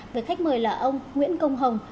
với khách mời là ông nguyễn công hồng